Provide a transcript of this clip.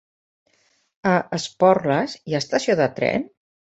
A Esporles hi ha estació de tren?